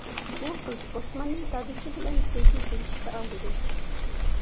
بۇ قىز ئوسماننى دادىسى بىلەن سۈلھى تۈزۈشكە ئالدىدى.